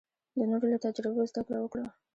د نورو له تجربو زده کړه وکړه.